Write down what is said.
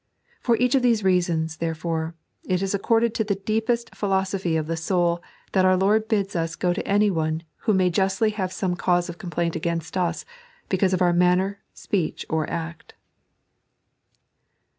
For each of these reasons, therefore, it is according to the deepest philosophy of the soul that our Lord bids us go to anyone who may justly have some cause of complaint against us, because of our manner, speech, or act.